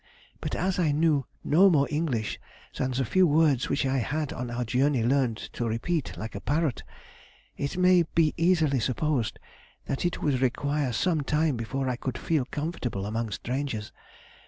But as I knew no more English than the few words which I had on our journey learned to repeat like a parrot, it may be easily supposed that it would require some time before I could feel comfortable among strangers.